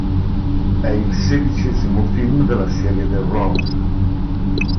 È il sedicesimo film della serie "The Wrong".